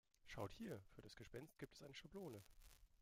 Schau hier, für das Gespenst gibt es eine Schablone.